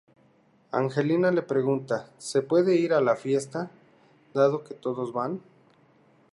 Angelina le pregunta su puede ir a la fiesta, dado que todos van.